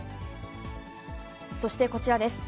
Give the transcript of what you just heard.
そしてこちらです。